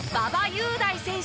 雄大選手